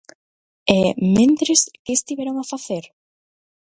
E, mentres, ¿que estiveron a facer?